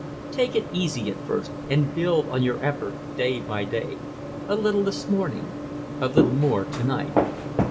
Take it easy at first and build on your effort day by day. A little this morning a little more tonight.